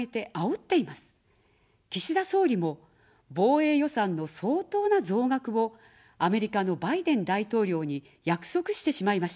岸田総理も防衛予算の相当な増額をアメリカのバイデン大統領に約束してしまいました。